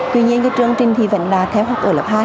tuy nhiên cái chương trình thì vẫn là theo học ở lớp hai